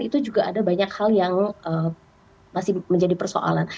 itu juga ada banyak hal yang masih menjadi persoalan